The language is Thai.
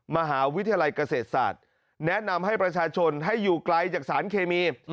มหาวิทยาลัยเกษตรศาสตร์แนะนำให้ประชาชนให้อยู่ไกลจากสารเคมี